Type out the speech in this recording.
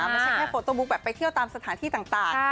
ไม่ใช่แค่โฟโต้บุ๊กแบบไปเที่ยวตามสถานที่ต่าง